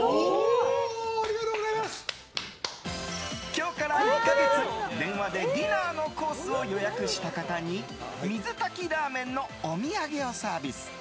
今日から１か月電話でディナーのコースを予約した方に水炊きラーメンのお土産をサービス。